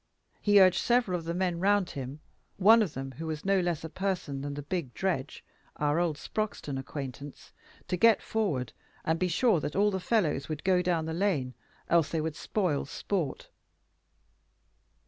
He urged several of the men round him, one of whom was no less a person than the big Dredge, our old Sproxton acquaintance, to get forward, and be sure that all the fellows would go down the lane, else they would spoil sport.